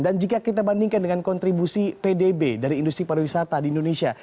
dan jika kita bandingkan dengan kontribusi pdb dari industri pariwisata di indonesia